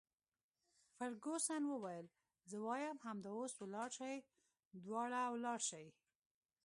فرګوسن وویل: زه وایم همدا اوس ولاړ شئ، دواړه ولاړ شئ.